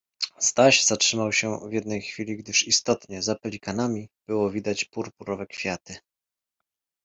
Staś zatrzymał sie w jednej chwili, gdyż istotnie za pelikanami było widać purpurowe kwiaty.